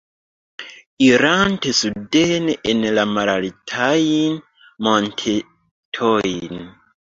Irante suden en la malaltajn montetojn.